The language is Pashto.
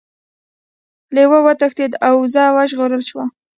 لیوه وتښتید او وزه وژغورل شوه.